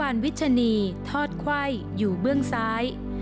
พัทวาลวิชชะนีทอดไข้อยู่เบื้องซ้าย